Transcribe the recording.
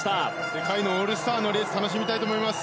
世界のオールスターのレース、楽しみたいと思います。